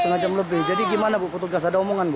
setengah jam lebih jadi gimana bu petugas ada omongan bu